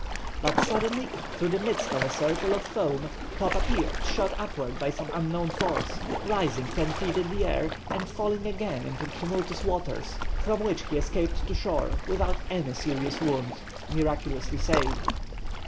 But suddenly, through the midst of a circle of foam, Top appeared, shot upward by some unknown force, rising ten feet in the air, and falling again into the tumultuous waters, from which he escaped to shore without any serious wounds, miraculously saved.